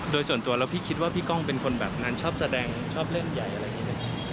โดยส่วนตัวแล้วพี่คิดว่าพี่ก้องเป็นคนแบบงานชอบแสดงชอบเล่นใหญ่อะไรอย่างนี้